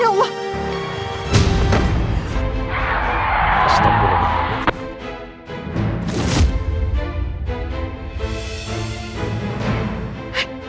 iya pak bentar lagi sampai